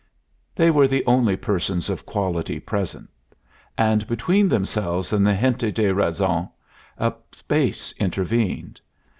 They were the only persons of quality present; and between themselves and the gente de razon a space intervened.